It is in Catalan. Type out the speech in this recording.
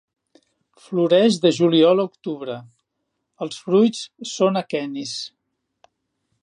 Floreix de juliol a octubre; els fruits són aquenis.